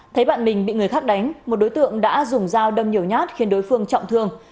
thấy bạn mình bị người khác đánh một đối tượng đã dùng dao đâm nhiều nhát khiến đối phương trọng thương